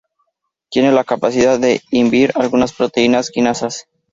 Tiene la capacidad de inhibir algunas proteínas quinasas.